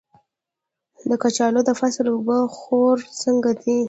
د کچالو د فصل اوبه خور څنګه دی؟